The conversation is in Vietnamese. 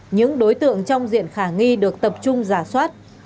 những đối tượng trong diện khả nghi được tập trung giả soát